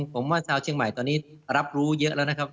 ผมว่าชาวเชียงใหม่ตอนนี้รับรู้เยอะแล้วนะครับ